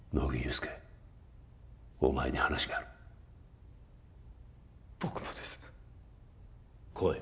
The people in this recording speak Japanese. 助お前に話がある僕もです来い